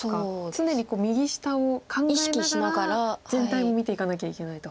常に右下を考えながら全体を見ていかなきゃいけないと。